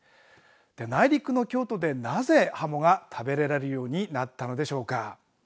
内陸の京都で、なぜハモが食べられるようになったのでしょうか。